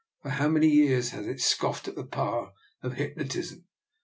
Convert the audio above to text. For how many years has it scoffed at the power of hypnot ism!